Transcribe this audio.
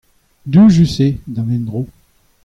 Doujus eo d'an endro.